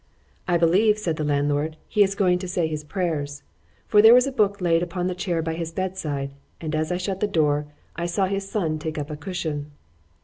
——I believe, said the landlord, he is going to say his prayers,——for there was a book laid upon the chair by his bed side, and as I shut the door, I saw his son take up a cushion.